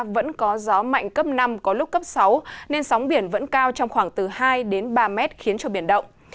vẫn có gió mạnh cấp năm có lúc cấp sáu nên sóng biển vẫn cao trong khoảng từ hai ba mét khiến cho biển động